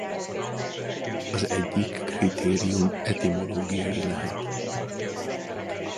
Az egyik kritérium etimológiai lehet.